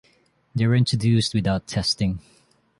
They were introduced without testing.